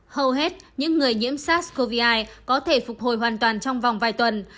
hầu hết những người nhiễm sars cov hai có thể phục hồi hoàn toàn trong vòng vài tuần